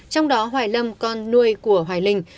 trong đó hoài lâm con nuôi của hoài linh